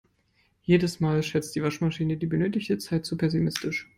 Jedes Mal schätzt die Waschmaschine die benötigte Zeit zu pessimistisch.